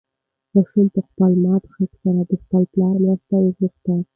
ماشوم په خپل مات غږ سره د خپل پلار مرسته وغوښته.